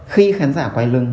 khi khán giả quay lưng